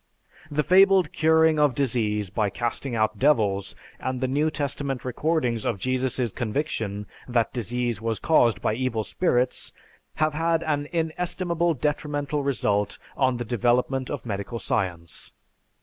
_" The fabled curing of disease by casting out devils, and the New Testament recordings of Jesus's conviction that disease was caused by evil spirits, have had an inestimable detrimental result on the development of medical science.